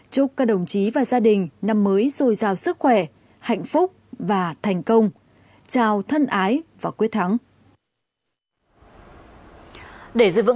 chúc các đồng chí và gia đình năm mới dồi dào sức khỏe hạnh phúc và thành công chào thân ái và quyết thắng